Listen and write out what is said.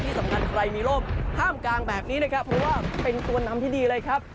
ที่สำคัญใครมีโรคห้ามกลางแบบนี้นะครับเพราะว่าเป็นตัวนำที่ดีเลยครับ